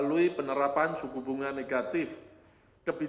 didorong oleh belum kuatnya pemulihan ekonomi negara berkembang